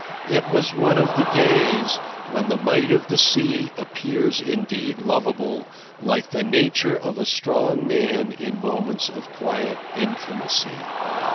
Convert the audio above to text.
It was one of the days, when the might of the sea appears indeed lovable, like the nature of a strong man in moments of quiet intimacy.